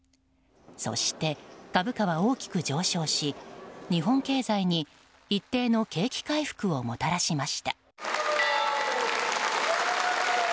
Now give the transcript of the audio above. そして、株価は大きく上昇し日本経済に一定の景気回復をもたらしました。